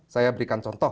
saya berikan contoh